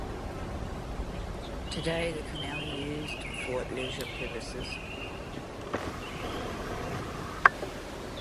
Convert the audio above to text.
Today the canal is used for leisure purposes.